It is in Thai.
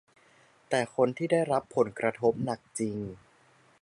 แต่คนที่ได้รับผลกระทบหนักจริง